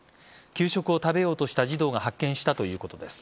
給食を食べようとした児童が発見したということです。